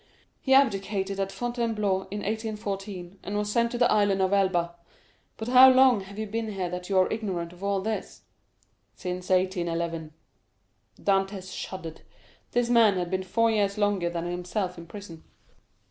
"He abdicated at Fontainebleau in 1814, and was sent to the Island of Elba. But how long have you been here that you are ignorant of all this?" "Since 1811." Dantès shuddered; this man had been four years longer than himself in prison.